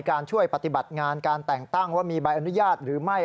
ช่วยปฏิบัติงานการแต่งตั้งว่ามีใบอนุญาตหรือไม่